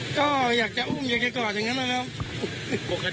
สสสสครูญอยกหมี่ว่ายยิ้มให้เองนะครับ